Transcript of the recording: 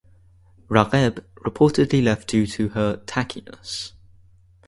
Ragheb reportedly left due to her "tackiness".